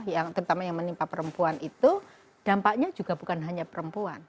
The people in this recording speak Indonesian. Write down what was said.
yang terutama yang menimpa perempuan itu dampaknya juga bukan hanya perempuan